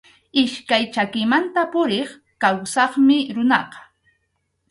Iskay chakimanta puriq kawsaqmi runaqa.